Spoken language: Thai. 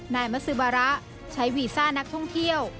นายมัสซิวาระใช้วีซ่านักท่องเที่ยว